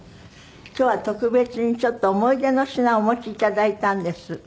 今日は特別にちょっと思い出の品をお持ち頂いたんです。